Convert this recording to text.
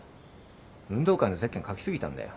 運動会のゼッケン書き過ぎたんだよ。